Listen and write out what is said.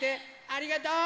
ありがとう！